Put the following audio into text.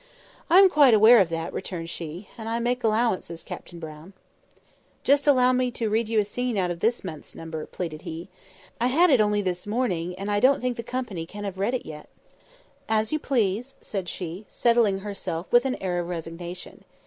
"I am quite aware of that," returned she. "And I make allowances, Captain Brown." "Just allow me to read you a scene out of this month's number," pleaded he. "I had it only this morning, and I don't think the company can have read it yet." "As you please," said she, settling herself with an air of resignation.